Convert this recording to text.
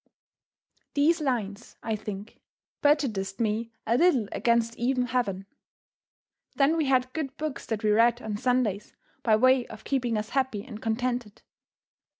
These lines, I think, prejudiced me a little against even heaven. Then we had good books that we read on Sundays by way of keeping us happy and contented.